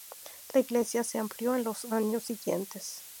La iglesia se amplió en los años siguientes.